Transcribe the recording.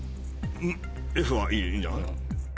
Ｆはいいんじゃない？